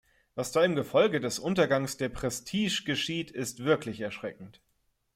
Was da im Gefolge des Untergangs der "Prestige" geschieht, ist wirklich erschreckend.